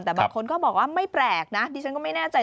แต่บางคนก็บอกว่าไม่แปลกนะดิฉันก็ไม่แน่ใจ